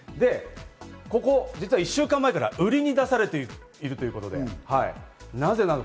ここ、実は１週間前から売りに出されているということで、なぜなのか？